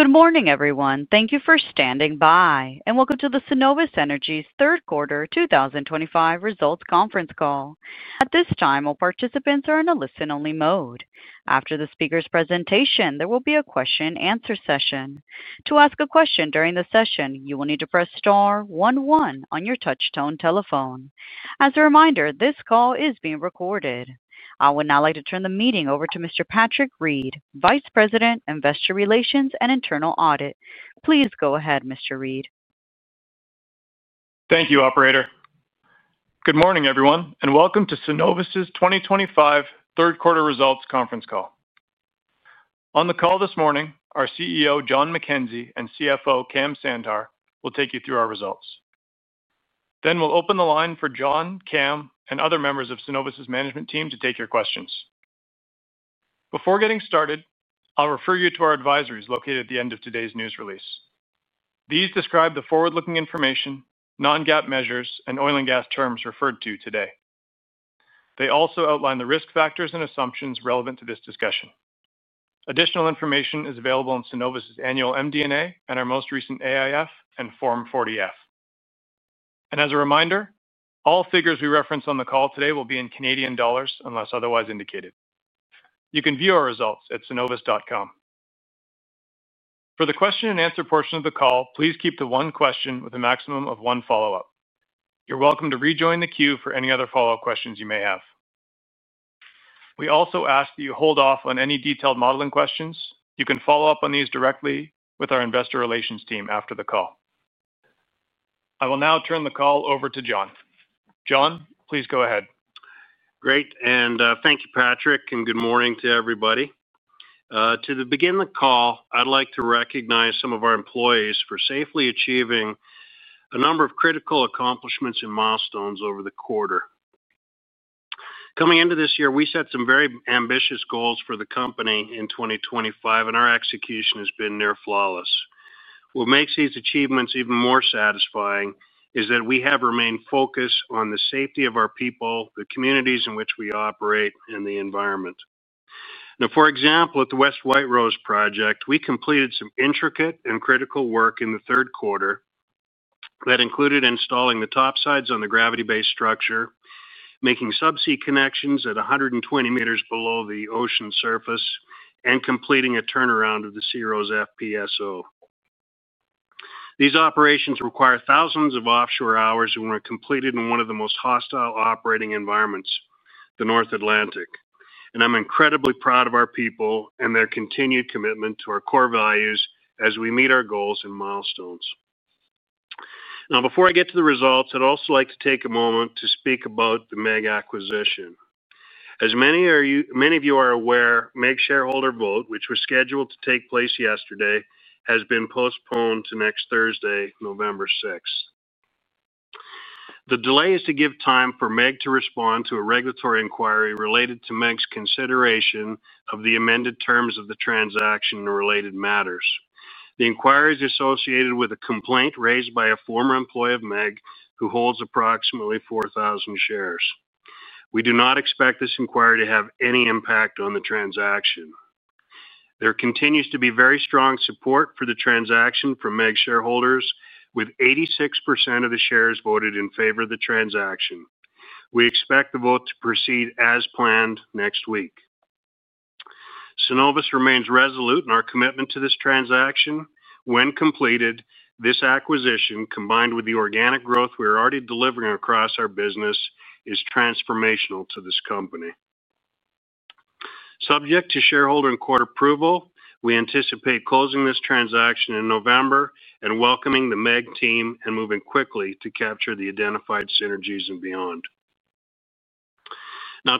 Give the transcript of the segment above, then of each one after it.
Good morning, everyone. Thank you for standing by and welcome to Cenovus Energy's third quarter 2025 results conference call. At this time, all participants are in a listen-only mode. After the speaker's presentation, there will be a question-and-answer session. To ask a question during the session, you will need to press star one-one on your touch-tone telephone. As a reminder, this call is being recorded. I would now like to turn the meeting over to Mr. Patrick Reed, Vice President, Investor Relations and Internal Audit. Please go ahead, Mr. Reed. Thank you, Operator. Good morning, everyone, and welcome to Cenovus Energy's 2025 third quarter results conference call. On the call this morning, our CEO, Jon McKenzie, and CFO, Kam Sandhar, will take you through our results. We will then open the line for Jon, Kam, and other members of Cenovus Energy's management team to take your questions. Before getting started, I'll refer you to our advisories located at the end of today's news release. These describe the forward-looking information, non-GAAP measures, and oil and gas terms referred to today. They also outline the risk factors and assumptions relevant to this discussion. Additional information is available in Cenovus annual MD&A and our most recent AIF and Form 40F. As a reminder, all figures we reference on the call today will be in Canadian dollars unless otherwise indicated. You can view our results at cenovus.com. For the question-and-answer portion of the call, please keep to one question with a maximum of one follow-up. You're welcome to rejoin the queue for any other follow-up questions you may have. We also ask that you hold off on any detailed modeling questions. You can follow up on these directly with our investor relations team after the call. I will now turn the call over to Jon. Jon, please go ahead. Great. Thank you, Patrick, and good morning to everybody. To begin the call, I'd like to recognize some of our employees for safely achieving a number of critical accomplishments and milestones over the quarter. Coming into this year, we set some very ambitious goals for the company in 2025, and our execution has been near flawless. What makes these achievements even more satisfying is that we have remained focused on the safety of our people, the communities in which we operate, and the environment. For example, at the West White Rose project, we completed some intricate and critical work in the third quarter. That included installing the top sides on the gravity-based structure, making subsea connections at 120 meters below the ocean surface, and completing a turnaround of the SeaRose FPSO. These operations require thousands of offshore hours and were completed in one of the most hostile operating environments, the North Atlantic. I'm incredibly proud of our people and their continued commitment to our core values as we meet our goals and milestones. Before I get to the results, I'd also like to take a moment to speak about the MEG acquisition. As many of you are aware, the MEG shareholder vote, which was scheduled to take place yesterday, has been postponed to next Thursday, November 6. The delay is to give time for MEG to respond to a regulatory inquiry related to MEG's consideration of the amended terms of the transaction and related matters. The inquiry is associated with a complaint raised by a former employee of MEG who holds approximately 4,000 shares. We do not expect this inquiry to have any impact on the transaction. There continues to be very strong support for the transaction from MEG shareholders, with 86% of the shares voted in favor of the transaction. We expect the vote to proceed as planned next week. Cenovus remains resolute in our commitment to this transaction. When completed, this acquisition, combined with the organic growth we are already delivering across our business, is transformational to this company. Subject to shareholder and court approval, we anticipate closing this transaction in November and welcoming the MEG team and moving quickly to capture the identified synergies and beyond.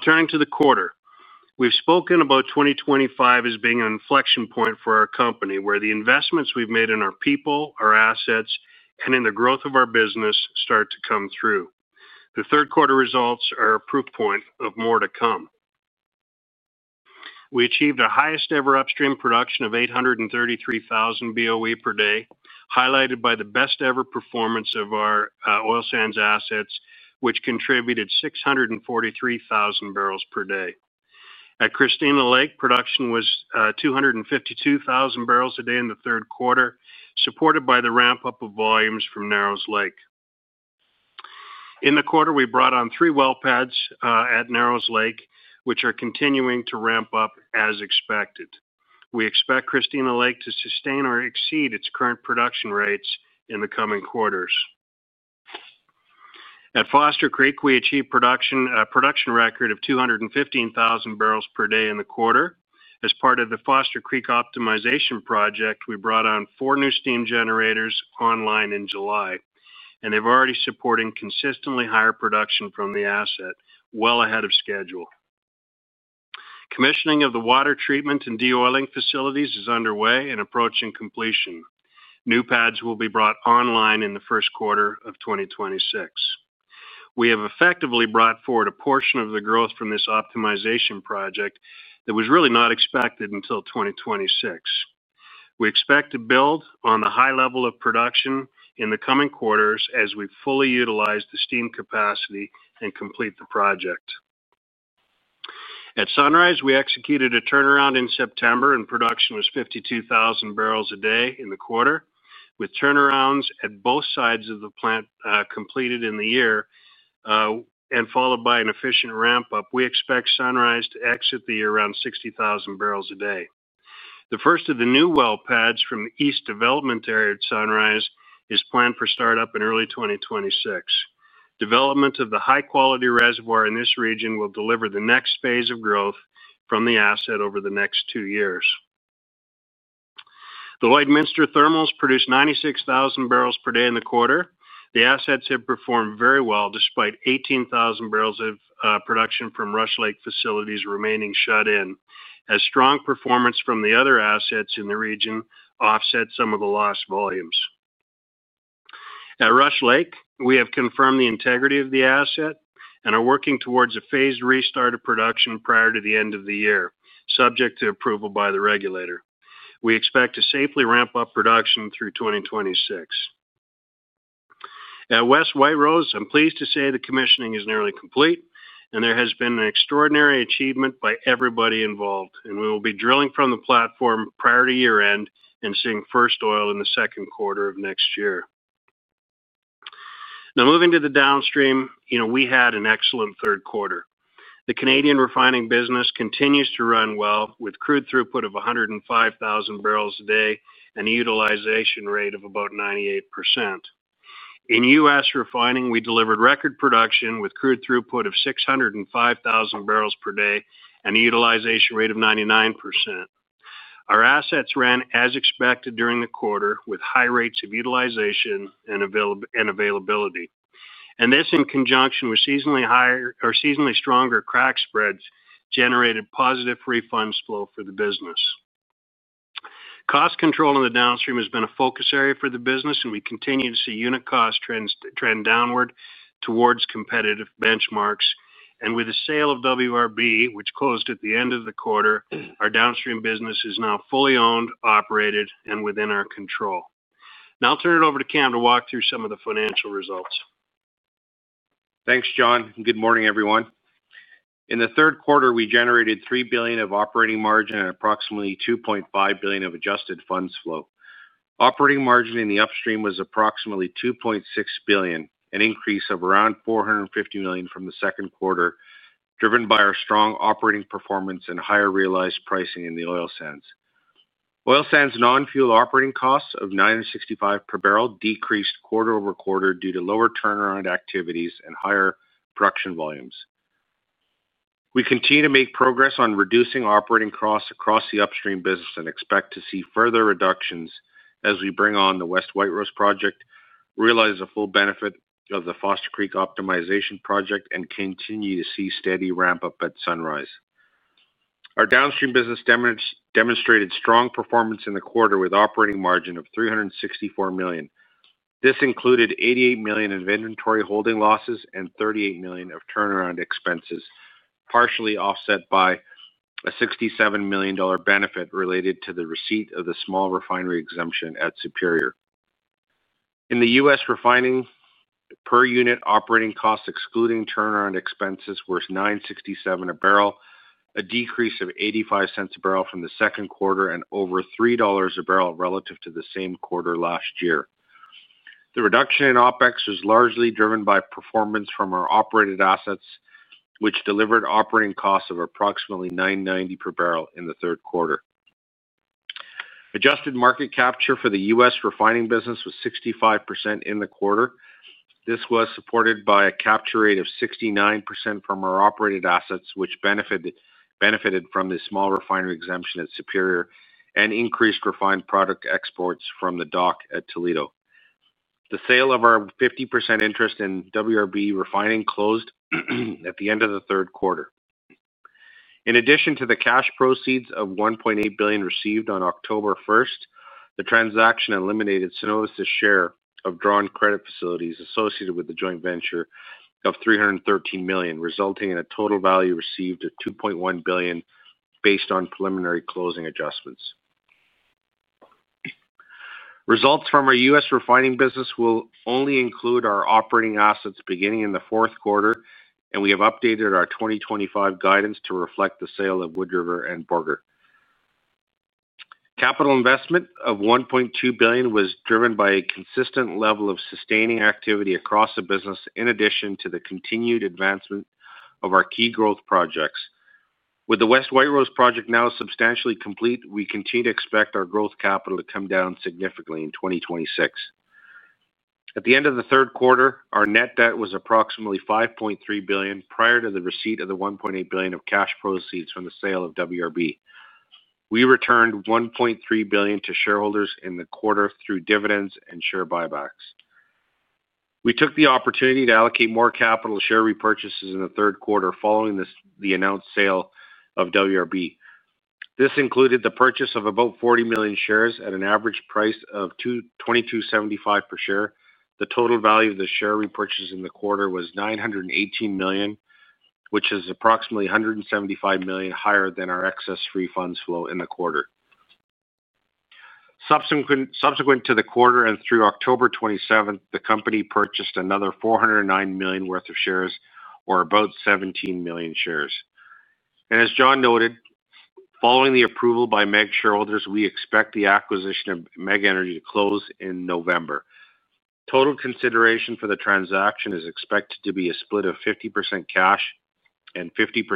Turning to the quarter, we've spoken about 2025 as being an inflection point for our company, where the investments we've made in our people, our assets, and in the growth of our business start to come through. The third quarter results are a proof point of more to come. We achieved a highest-ever upstream production of 833,000 BOE/day, highlighted by the best-ever performance of our oil sands assets, which contributed 643,000 bpd. At Christina Lake, production was 252,000 bpd in the third quarter, supported by the ramp-up of volumes from Narrows Lake. In the quarter, we brought on three well pads at Narrows Lake, which are continuing to ramp up as expected. We expect Christina Lake to sustain or exceed its current production rates in the coming quarters. At Foster Creek, we achieved a production record of 215,000 bpd in the quarter. As part of the Foster Creek Optimization Project, we brought on four new steam generators online in July, and they've already supported consistently higher production from the asset, well ahead of schedule. Commissioning of the water treatment and de-oiling facilities is underway and approaching completion. New pads will be brought online in the first quarter of 2026. We have effectively brought forward a portion of the growth from this optimization project that was really not expected until 2026. We expect to build on the high level of production in the coming quarters as we fully utilize the steam capacity and complete the project. At Sunrise, we executed a turnaround in September, and production was 52,000 bpd in the quarter. With turnarounds at both sides of the plant completed in the year and followed by an efficient ramp-up, we expect Sunrise to exit the year around 60,000 bpd. The first of the new well pads from the east development area at Sunrise is planned for start-up in early 2026. Development of the high-quality reservoir in this region will deliver the next phase of growth from the asset over the next two years. The Lloydminster Thermals produced 96,000 bpd in the quarter. The assets have performed very well despite 18,000 bbl of production from Rush Lake facilities remaining shut in, as strong performance from the other assets in the region offsets some of the lost volumes. At Rush Lake, we have confirmed the integrity of the asset and are working towards a phased restart of production prior to the end of the year, subject to approval by the regulator. We expect to safely ramp up production through 2026. At West White Rose, I'm pleased to say the commissioning is nearly complete, and there has been an extraordinary achievement by everybody involved. We will be drilling from the platform prior to year-end and seeing first oil in the second quarter of next year. Now, moving to the downstream, we had an excellent third quarter. The Canadian refining business continues to run well with crude throughput of 105,000 bpd and a utilization rate of about 98%. In U.S. refining, we delivered record production with crude throughput of 605,000 bpd and a utilization rate of 99%. Our assets ran as expected during the quarter with high rates of utilization and availability. This, in conjunction with seasonally stronger crack spreads, generated positive funds flow for the business. Cost control in the downstream has been a focus area for the business, and we continue to see unit cost trend downward towards competitive benchmarks. With the sale of WRB Refining, which closed at the end of the quarter, our downstream business is now fully owned, operated, and within our control. Now, I'll turn it over to Kam to walk through some of the financial results. Thanks, Jon. Good morning, everyone. In the third quarter, we generated $3 billion of operating margin and approximately $2.5 billion of adjusted funds flow. Operating margin in the upstream was approximately $2.6 billion, an increase of around $450 million from the second quarter, driven by our strong operating performance and higher realized pricing in the oil sands. Oil sands non-fuel operating costs of $9.65 per bbl decreased quarter-over-quarter due to lower turnaround activities and higher production volumes. We continue to make progress on reducing operating costs across the upstream business and expect to see further reductions as we bring on the West White Rose project, realize the full benefit of the Foster Creek Optimization Project, and continue to see steady ramp-up at Sunrise. Our downstream business demonstrated strong performance in the quarter with an operating margin of $364 million. This included $88 million of inventory holding losses and $38 million of turnaround expenses, partially offset by a $67 million benefit related to the receipt of the small refinery exemption at Superior. In the U.S. refining, per unit operating costs excluding turnaround expenses were $9.67 a bbl, a decrease of $0.85 a bbl from the second quarter and over $3 a bbl relative to the same quarter last year. The reduction in OpEx was largely driven by performance from our operated assets, which delivered operating costs of approximately $9.90 per bbl in the third quarter. Adjusted market capture for the U.S. refining business was 65% in the quarter. This was supported by a capture rate of 69% from our operated assets, which benefited from the small refinery exemption at Superior and increased refined product exports from the dock at Toledo. The sale of our 50% interest in WRB Refining closed at the end of the third quarter. In addition to the cash proceeds of $1.8 billion received on October 1st, the transaction eliminated Cenovus's share of drawn credit facilities associated with the joint venture of $313 million, resulting in a total value received of $2.1 billion based on preliminary closing adjustments. Results from our U.S. refining business will only include our operating assets beginning in the fourth quarter, and we have updated our 2025 guidance to reflect the sale of Wood River and Borger. Capital investment of $1.2 billion was driven by a consistent level of sustaining activity across the business, in addition to the continued advancement of our key growth projects. With the West White Rose project now substantially complete, we continue to expect our growth capital to come down significantly in 2026. At the end of the third quarter, our net debt was approximately $5.3 billion prior to the receipt of the $1.8 billion of cash proceeds from the sale of WRB. We returned $1.3 billion to shareholders in the quarter through dividends and share buybacks. We took the opportunity to allocate more capital to share repurchases in the third quarter following the announced sale of WRB. This included the purchase of about 40 million shares at an average price of $22.75 per share. The total value of the share repurchase in the quarter was $918 million, which is approximately $175 million higher than our excess funds flow in the quarter. Subsequent to the quarter and through October 27, the company purchased another $409 million worth of shares, or about 17 million shares. As Jon noted, following the approval by MEG shareholders, we expect the acquisition of MEG Energy to close in November. Total consideration for the transaction is expected to be a split of 50% cash and 50%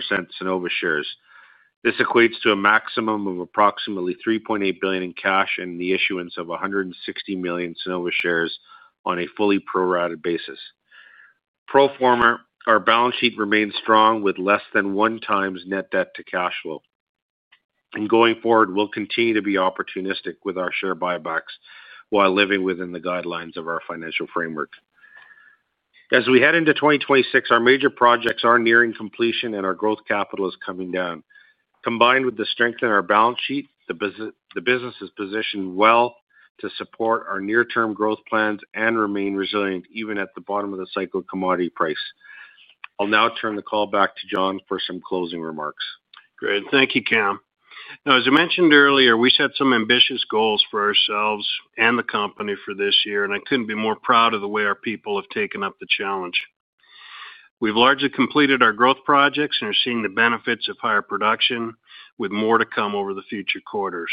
Cenovus shares. This equates to a maximum of approximately $3.8 billion in cash and the issuance of 160 million Cenovus shares on a fully pro-rata basis. Pro forma, our balance sheet remains strong with less than one times net debt to cash flow. Going forward, we'll continue to be opportunistic with our share buybacks while living within the guidelines of our financial framework. As we head into 2026, our major projects are nearing completion and our growth capital is coming down. Combined with the strength in our balance sheet, the business is positioned well to support our near-term growth plans and remain resilient even at the bottom of the cycle commodity price. I'll now turn the call back to Jon for some closing remarks. Great. Thank you, Kam. Now, as I mentioned earlier, we set some ambitious goals for ourselves and the company for this year, and I couldn't be more proud of the way our people have taken up the challenge. We've largely completed our growth projects and are seeing the benefits of higher production, with more to come over the future quarters.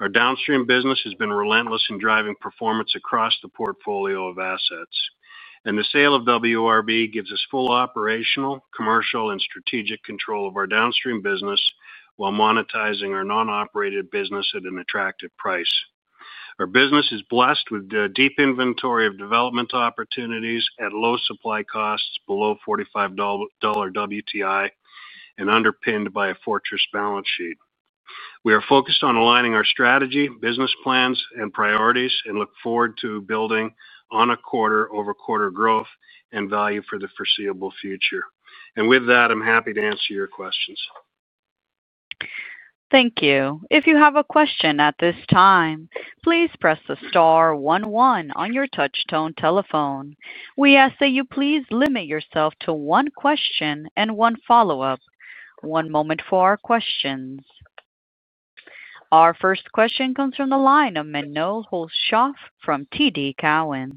Our downstream business has been relentless in driving performance across the portfolio of assets. The sale of WRB gives us full operational, commercial, and strategic control of our downstream business while monetizing our non-operated business at an attractive price. Our business is blessed with a deep inventory of development opportunities at low supply costs, below $45 WTI, and underpinned by a fortress balance sheet. We are focused on aligning our strategy, business plans, and priorities, and look forward to building on a quarter-over-quarter growth and value for the foreseeable future. With that, I'm happy to answer your questions. Thank you. If you have a question at this time, please press the star one-one on your touch-tone telephone. We ask that you please limit yourself to one question and one follow-up. One moment for our questions. Our first question comes from the line of Menno Hulshof from TD Securities.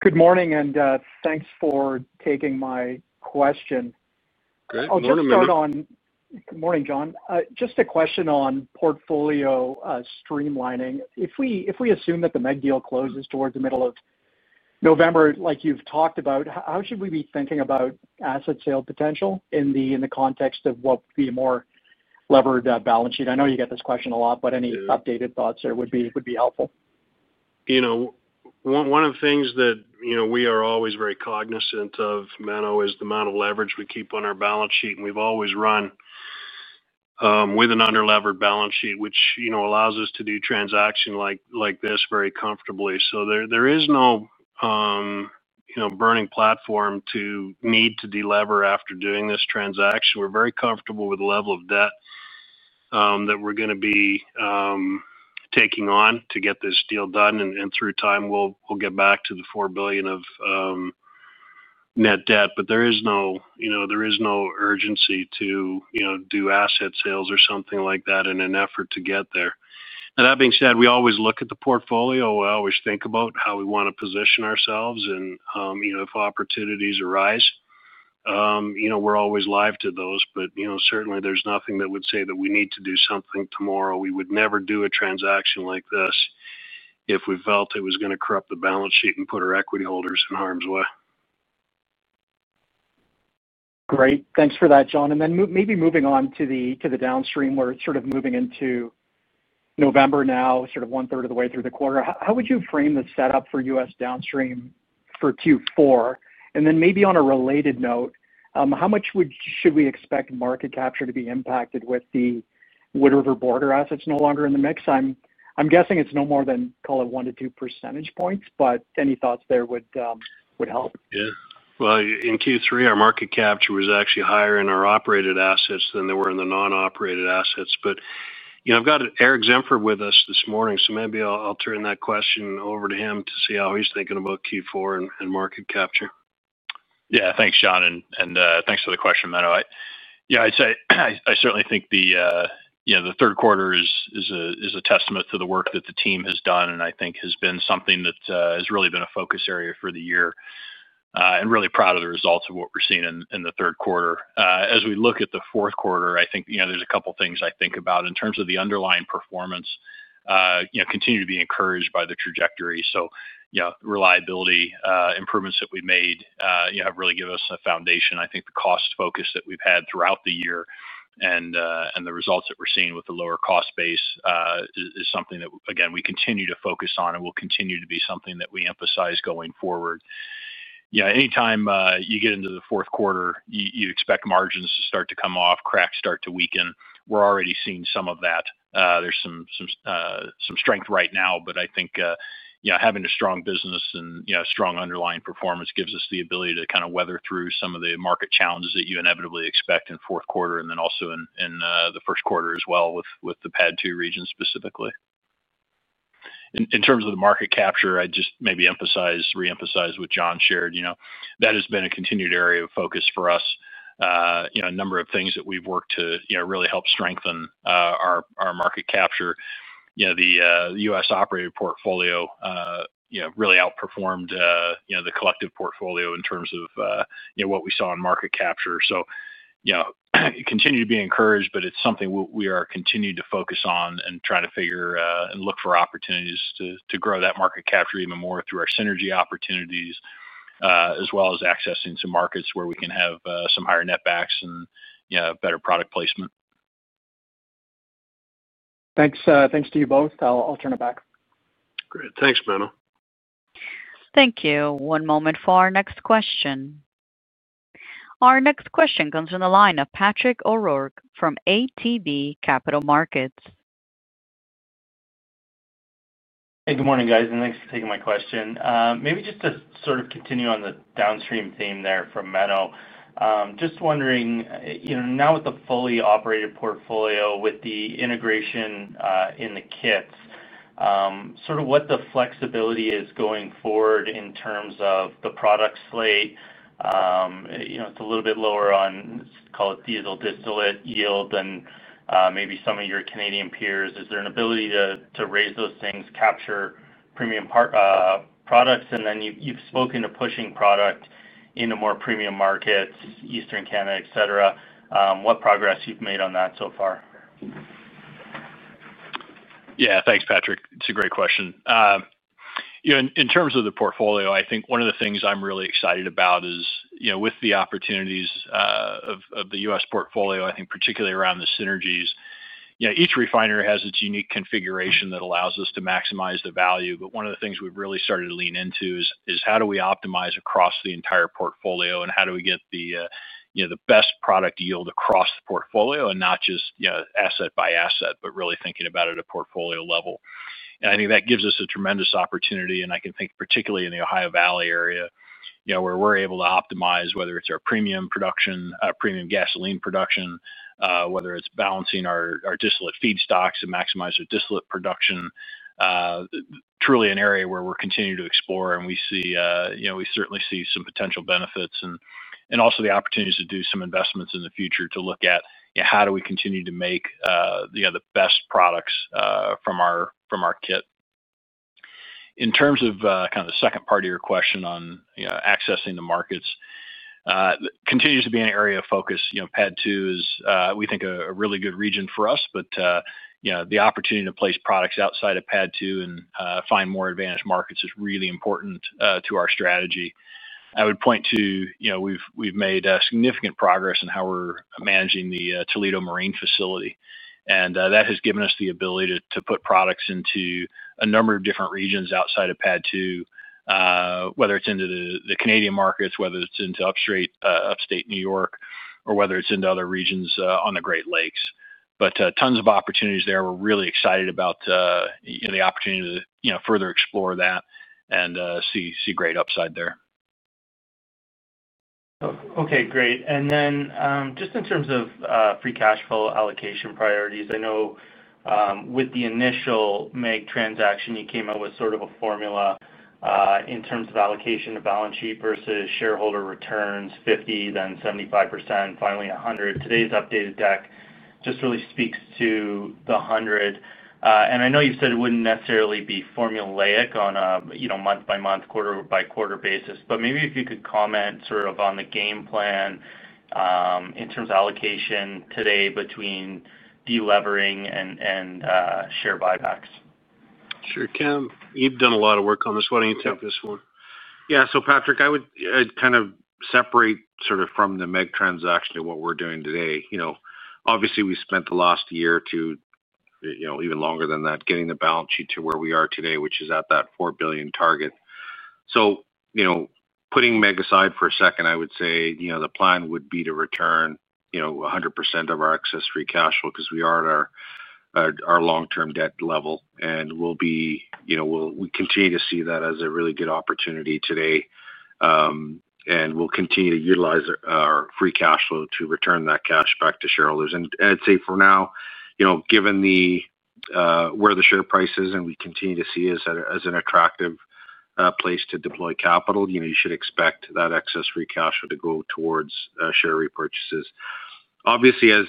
Good morning, and thanks for taking my question. Good morning, Menno. Good morning, Jon. Just a question on portfolio streamlining. If we assume that the MEG deal closes towards the middle of November, like you've talked about, how should we be thinking about asset sale potential in the context of what would be a more levered balance sheet? I know you get this question a lot, but any updated thoughts there would be helpful. One of the things that we are always very cognizant of, Manav, is the amount of leverage we keep on our balance sheet. We've always run with an under-levered balance sheet, which allows us to do transactions like this very comfortably. There is no burning platform to need to delever after doing this transaction. We're very comfortable with the level of debt that we're going to be taking on to get this deal done. Through time, we'll get back to the $4 billion of net debt, but there is no urgency to do asset sales or something like that in an effort to get there. That being said, we always look at the portfolio. We always think about how we want to position ourselves, and if opportunities arise, we're always live to those. Certainly, there's nothing that would say that we need to do something tomorrow. We would never do a transaction like this if we felt it was going to corrupt the balance sheet and put our equity holders in harm's way. Great. Thanks for that, Jon. Maybe moving on to the downstream, we're sort of moving into November now, sort of one-third of the way through the quarter. How would you frame the setup for U.S. downstream for Q4? On a related note, how much should we expect market capture to be impacted with the Wood River Borger assets no longer in the mix? I'm guessing it's no more than, call it, 1%-2%, but any thoughts there would help. In Q3, our market capture was actually higher in our operated assets than in the non-operated assets. I've got Eric Nelsen with us this morning, so maybe I'll turn that question over to him to see how he's thinking about Q4 and market capture. Yeah. Thanks, Jon. Thanks for the question, Manav. I'd say I certainly think the third quarter is a testament to the work that the team has done and I think has been something that has really been a focus area for the year. Really proud of the results of what we're seeing in the third quarter. As we look at the fourth quarter, I think there's a couple of things I think about in terms of the underlying performance. Continue to be encouraged by the trajectory. Reliability improvements that we've made have really given us a foundation. I think the cost focus that we've had throughout the year and the results that we're seeing with the lower cost base is something that, again, we continue to focus on and will continue to be something that we emphasize going forward. Anytime you get into the fourth quarter, you expect margins to start to come off, cracks start to weaken. We're already seeing some of that. There's some strength right now, but I think having a strong business and strong underlying performance gives us the ability to kind of weather through some of the market challenges that you inevitably expect in fourth quarter and then also in the first quarter as well with the PADD 2 region specifically. In terms of the market capture, I'd just maybe emphasize, re-emphasize what Jon shared. That has been a continued area of focus for us. A number of things that we've worked to really help strengthen our market capture. The U.S. operated portfolio really outperformed the collective portfolio in terms of what we saw in market capture. Continue to be encouraged, but it's something we are continuing to focus on and trying to figure and look for opportunities to grow that market capture even more through our synergy opportunities as well as accessing some markets where we can have some higher net backs and better product placement. Thanks to you both. I'll turn it back. Great. Thanks, Menno. Thank you. One moment for our next question. Our next question comes from the line of Patrick O'Rourke from ATB Capital Markets. Hey, good morning, guys. Thanks for taking my question. Maybe just to sort of continue on the downstream theme there from Menno. Just wondering, now with the fully operated portfolio, with the integration in the kits, sort of what the flexibility is going forward in terms of the product slate. It's a little bit lower on, call it, diesel distillate yield than maybe some of your Canadian peers. Is there an ability to raise those things, capture premium products? You've spoken to pushing product into more premium markets, Eastern Canada, etc. What progress you've made on that so far? Yeah. Thanks, Patrick. It's a great question. In terms of the portfolio, I think one of the things I'm really excited about is with the opportunities of the U.S. portfolio, I think particularly around the synergies. Each refinery has its unique configuration that allows us to maximize the value. One of the things we've really started to lean into is how do we optimize across the entire portfolio and how do we get the best product yield across the portfolio, not just asset by asset, but really thinking about it at a portfolio level. I think that gives us a tremendous opportunity. I can think particularly in the Ohio Valley area, where we're able to optimize, whether it's our premium gasoline production, whether it's balancing our distillate feed stocks and maximizing our distillate production. Truly an area where we're continuing to explore and we certainly see some potential benefits and also the opportunities to do some investments in the future to look at how do we continue to make the best products from our kit. In terms of the second part of your question on accessing the markets, it continues to be an area of focus. PADD 2 is, we think, a really good region for us, but the opportunity to place products outside of PADD 2 and find more advanced markets is really important to our strategy. I would point to we've made significant progress in how we're managing the Toledo Marine facility, and that has given us the ability to put products into a number of different regions outside of PADD 2, whether it's into the Canadian markets, whether it's into upstate New York, or whether it's into other regions on the Great Lakes. Tons of opportunities there. We're really excited about the opportunity to further explore that and see great upside there. Okay. Great. In terms of free cash flow allocation priorities, with the initial MEG transaction, you came out with sort of a formula in terms of allocation of balance sheet versus shareholder returns, 50%, then 75%, finally 100%. Today's updated deck just really speaks to the 100%. You said it wouldn't necessarily be formulaic on a month-by-month, quarter-by-quarter basis, but maybe if you could comment on the game plan in terms of allocation today between delevering and share buybacks. Sure, Kam. You've done a lot of work on this. Why don't you take this one? Yeah. So, Patrick, I would kind of separate sort of from the MEG transaction to what we're doing today. Obviously, we spent the last year, even longer than that, getting the balance sheet to where we are today, which is at that $4 billion target. Putting MEG aside for a second, I would say the plan would be to return 100% of our excess free cash flow because we are at our long-term debt level. We'll continue to see that as a really good opportunity today, and we'll continue to utilize our free cash flow to return that cash back to shareholders. I'd say for now, given where the share price is and we continue to see us as an attractive place to deploy capital, you should expect that excess free cash flow to go towards share repurchases. Obviously, as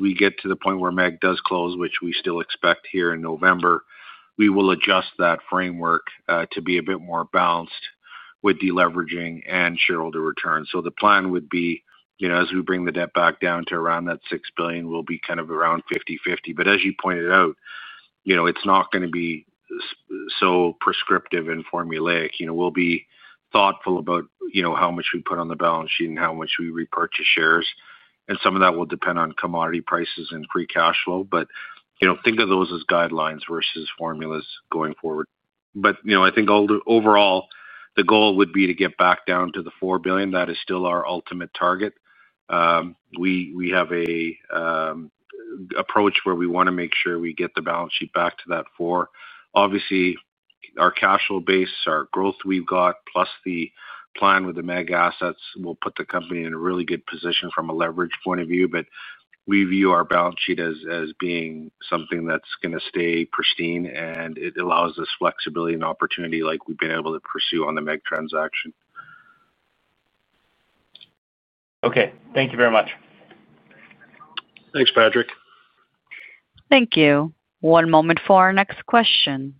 we get to the point where MEG does close, which we still expect here in November, we will adjust that framework to be a bit more balanced with deleveraging and shareholder returns. The plan would be, as we bring the debt back down to around that $6 billion, we'll be kind of around 50/50. As you pointed out, it's not going to be so prescriptive and formulaic. We'll be thoughtful about how much we put on the balance sheet and how much we repurchase shares. Some of that will depend on commodity prices and free cash flow, but think of those as guidelines versus formulas going forward. I think overall, the goal would be to get back down to the $4 billion. That is still our ultimate target. We have an approach where we want to make sure we get the balance sheet back to that $4 billion. Obviously, our cash flow base, our growth we've got, plus the plan with the MEG assets will put the company in a really good position from a leverage point of view. We view our balance sheet as being something that's going to stay pristine, and it allows us flexibility and opportunity like we've been able to pursue on the MEG transaction. Okay, thank you very much. Thanks, Patrick. Thank you. One moment for our next question.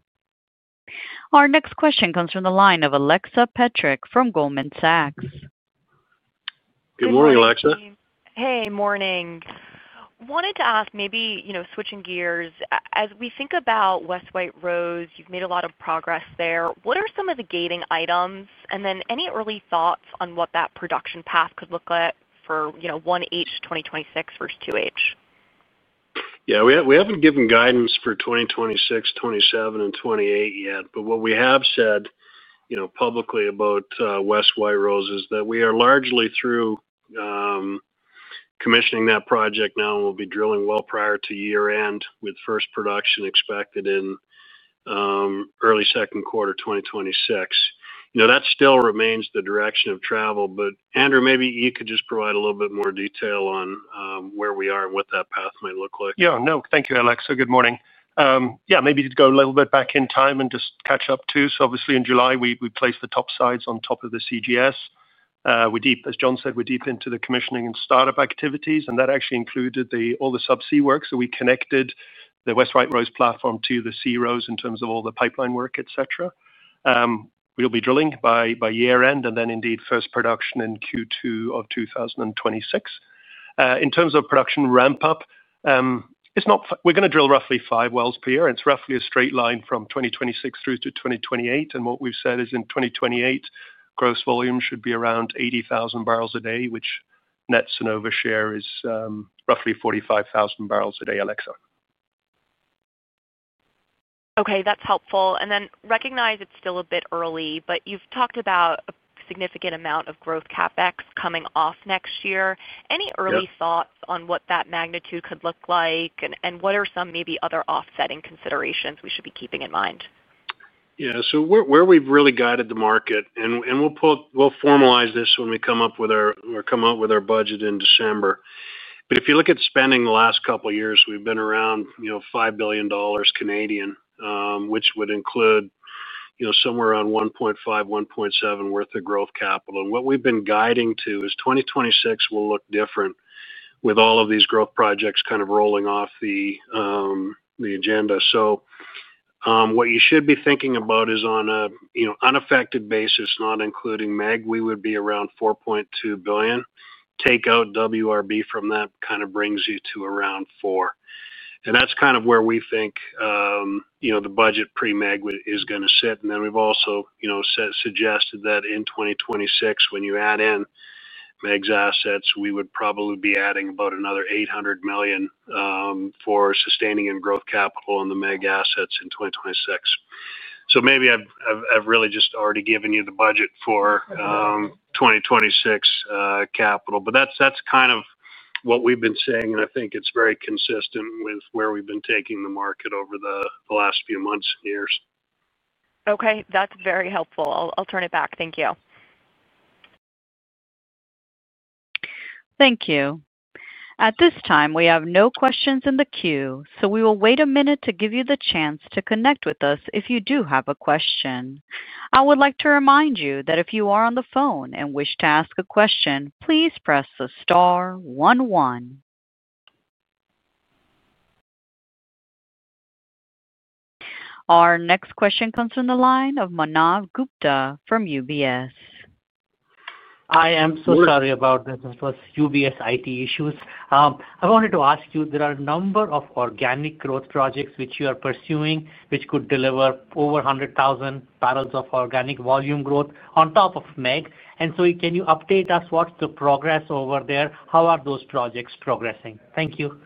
Our next question comes from the line of Alexa Petrick from Goldman Sachs. Good morning, Alexa. Hey, morning. Wanted to ask, maybe switching gears, as we think about West White Rose, you've made a lot of progress there. What are some of the gating items? Any early thoughts on what that production path could look like for 1H 2026 versus 2H? Yeah. We haven't given guidance for 2026, 2027, and 2028 yet. What we have said publicly about West White Rose is that we are largely through commissioning that project now, and we'll be drilling well prior to year-end with first production expected in early second quarter 2026. That still remains the direction of travel. Andrew, maybe you could just provide a little bit more detail on where we are and what that path might look like. Yeah. No. Thank you, Alexa. Good morning. Maybe to go a little bit back in time and just catch up too. Obviously, in July, we placed the topsides on top of the GBS. As Jon said, we're deep into the commissioning and startup activities. That actually included all the subsea work. We connected the West White Rose platform to the SeaRose in terms of all the pipeline work, etc. We're going to be drilling by year-end and then indeed first production in Q2 of 2026. In terms of production ramp-up, we're going to drill roughly five wells per year. It's roughly a straight line from 2026 through to 2028. What we've said is in 2028, gross volume should be around 80,000 bpd, which net Cenovus share is roughly 45,000 bpd, Alexa. Okay, that's helpful. I recognize it's still a bit early, but you've talked about a significant amount of growth CapEx coming off next year. Any early thoughts on what that magnitude could look like? What are some maybe other offsetting considerations we should be keeping in mind? Yeah. Where we've really guided the market, and we'll formalize this when we come out with our budget in December. If you look at spending the last couple of years, we've been around $5 billion Canadian, which would include somewhere around $1.5 billion, $1.7 billion worth of growth capital. What we've been guiding to is 2026 will look different with all of these growth projects kind of rolling off the agenda. What you should be thinking about is on an unaffected basis, not including MEG, we would be around $4.2 billion. Take out WRB from that, kind of brings you to around $4 billion. That's kind of where we think the budget pre-MEG is going to sit. We've also suggested that in 2026, when you add in MEG's assets, we would probably be adding about another $800 million for sustaining and growth capital on the MEG assets in 2026. Maybe I've really just already given you the budget for 2026 capital. That's kind of what we've been saying, and I think it's very consistent with where we've been taking the market over the last few months and years. Okay. That's very helpful. I'll turn it back. Thank you. Thank you. At this time, we have no questions in the queue. We will wait a minute to give you the chance to connect with us if you do have a question. I would like to remind you that if you are on the phone and wish to ask a question, please press the star one-one. Our next question comes from the line of Manav Gupta from UBS. Hi. I am so sorry about this. It was UBS IT issues. I wanted to ask you, there are a number of organic growth projects which you are pursuing which could deliver over 400,000 bbl of organic volume growth on top of MEG. Can you update us what's the progress over there? How are those projects progressing? Thank you.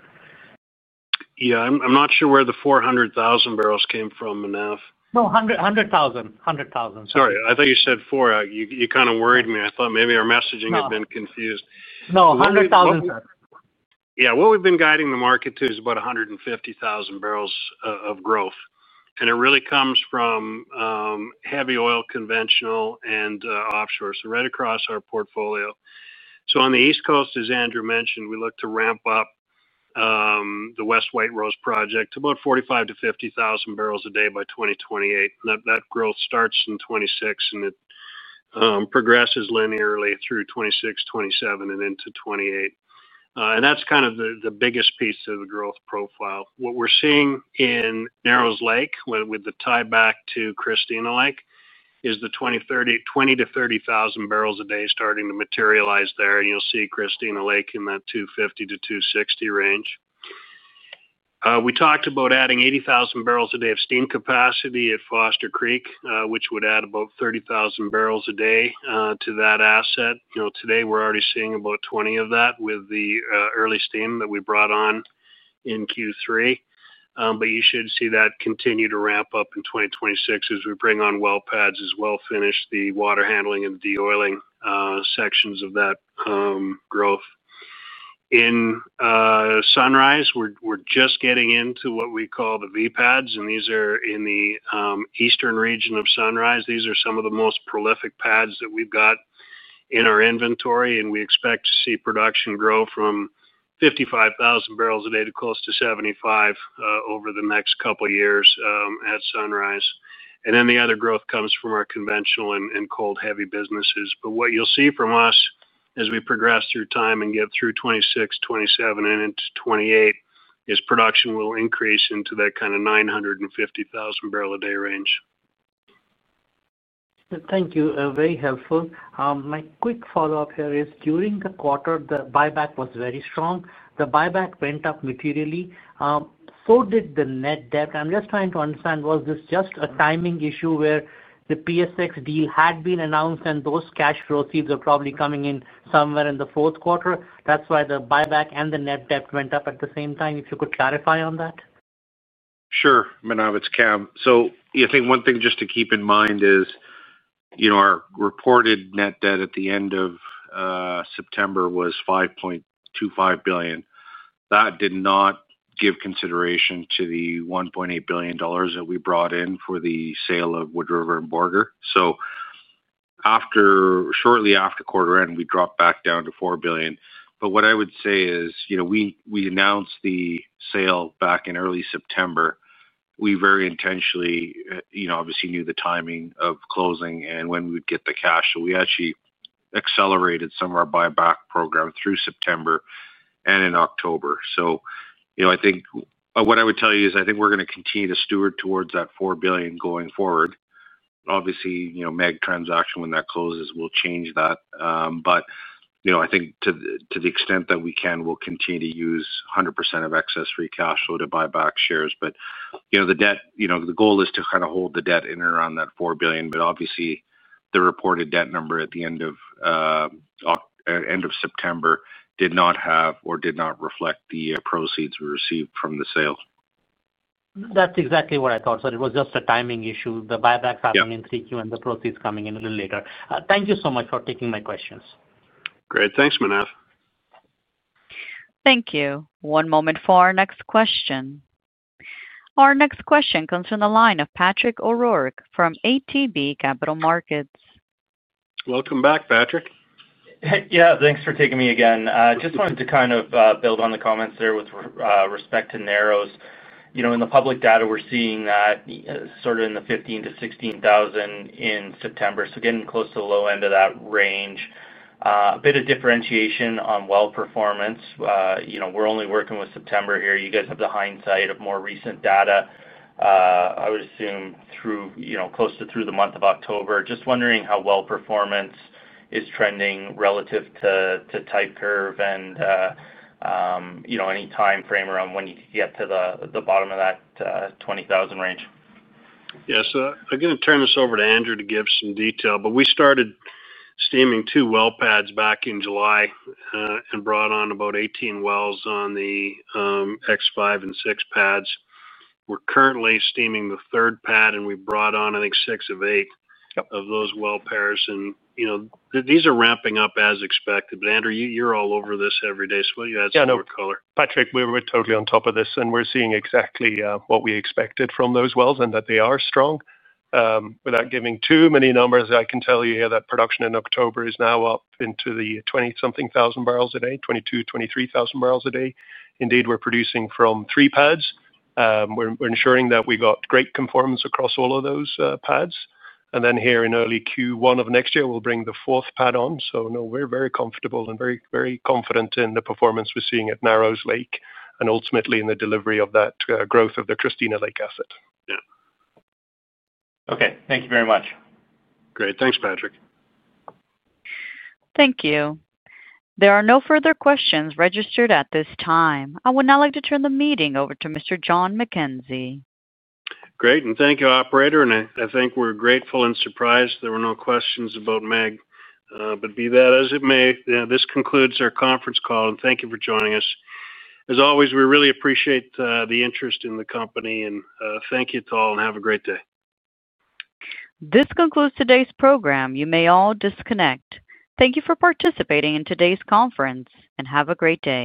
Yeah, I'm not sure where the 400,000 bbl came from, Manav. No, 100,000. 100,000. Sorry, I thought you said four. You kind of worried me. I thought maybe our messaging had been confused. No, 100,000, sir. Yeah. What we've been guiding the market to is about 150,000 bbl of growth. It really comes from heavy oil, conventional, and offshore, so right across our portfolio. On the East Coast, as Andrew mentioned, we look to ramp up the West White Rose project to about 45,000-50,000 bbl a day by 2028. That growth starts in 2026, and it progresses linearly through 2026, 2027, and into 2028. That's kind of the biggest piece of the growth profile. What we're seeing in Narrows Lake with the tie back to Christina Lake is the 20,000-30,000 bbl a day starting to materialize there. You'll see Christina Lake in that 250,000-260,000 range. We talked about adding 80,000 bbl a day of steam capacity at Foster Creek, which would add about 30,000 bbl a day to that asset. Today, we're already seeing about 20 of that with the early steam that we brought on in Q3. You should see that continue to ramp up in 2026 as we bring on well pads and finish the water handling and de-oiling sections of that growth. In Sunrise, we're just getting into what we call the V pads. These are in the eastern region of Sunrise. These are some of the most prolific pads that we've got in our inventory. We expect to see production grow from 55,000 bbl a day to close to 75,000 over the next couple of years at Sunrise. The other growth comes from our conventional and cold heavy businesses. What you'll see from us as we progress through time and get through 2026, 2027, and into 2028 is production will increase into that kind of 950,000 bbl a day range. Thank you. Very helpful. My quick follow-up here is during the quarter, the buyback was very strong. The buyback went up materially. So did the net debt. I'm just trying to understand, was this just a timing issue where the PSX deal had been announced and those cash flow seeds are probably coming in somewhere in the fourth quarter? That's why the buyback and the net debt went up at the same time. If you could clarify on that. Sure. Manav, it's Kam. I think one thing just to keep in mind is our reported net debt at the end of September was $5.25 billion. That did not give consideration to the $1.8 billion that we brought in for the sale of Wood River and Borger. Shortly after quarter end, we dropped back down to $4 billion. What I would say is we announced the sale back in early September. We very intentionally, obviously, knew the timing of closing and when we would get the cash. We actually accelerated some of our buyback program through September and in October. I think what I would tell you is I think we're going to continue to steward towards that $4 billion going forward. Obviously, the MEG transaction, when that closes, will change that. I think to the extent that we can, we'll continue to use 100% of excess free cash flow to buy back shares. The goal is to kind of hold the debt in and around that $4 billion. Obviously, the reported debt number at the end of September did not have or did not reflect the proceeds we received from the sale. That's exactly what I thought. It was just a timing issue, the buyback happening in Q3 and the proceeds coming in a little later. Thank you so much for taking my questions. Great. Thanks, Manav. Thank you. One moment for our next question. Our next question comes from the line of Patrick O'Rourke from ATB Capital Markets. Welcome back, Patrick. Thanks for taking me again. Just wanted to kind of build on the comments there with respect to Narrows. In the public data, we're seeing that sort of in the 15,000-16,000 in September, so getting close to the low end of that range. A bit of differentiation on well performance. We're only working with September here. You guys have the hindsight of more recent data, I would assume, close to through the month of October. Just wondering how well performance is trending relative to tight curve and any timeframe around when you could get to the bottom of that 20,000 range. Yeah. I'm going to turn this over to Andrew to give some detail. We started steaming two well pads back in July and brought on about 18 wells on the X5 and 6 pads. We're currently steaming the third pad, and we brought on, I think, six of eight of those well pairs. These are ramping up as expected. Andrew, you're all over this every day. What do you have to color. Yeah. Patrick, we're totally on top of this. We're seeing exactly what we expected from those wells and that they are strong. Without giving too many numbers, I can tell you here that production in October is now up into the 20-something thousand bbl a day, 22,000, 23,000 bbl a day. We're producing from three pads. We're ensuring that we got great conformance across all of those pads. Here in early Q1 of next year, we'll bring the fourth pad on. We're very comfortable and very confident in the performance we're seeing at Narrows Lake and ultimately in the delivery of that growth of the Christina Lake asset. Yeah, okay. Thank you very much. Great. Thanks, Patrick. Thank you. There are no further questions registered at this time. I would now like to turn the meeting over to Mr. Jon McKenzie. Great. Thank you, operator. I think we're grateful and surprised there were no questions about MEG. Be that as it may, this concludes our conference call. Thank you for joining us. As always, we really appreciate the interest in the company. Thank you to all and have a great day. This concludes today's program. You may all disconnect. Thank you for participating in today's conference and have a great day.